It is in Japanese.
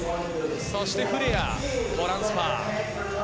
そしてトランスファー。